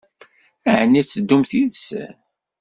Ɛni ad teddumt yid-sen?